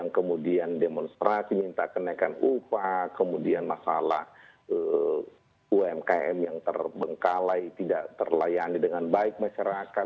kemudian demonstrasi minta kenaikan upah kemudian masalah umkm yang terbengkalai tidak terlayani dengan baik masyarakat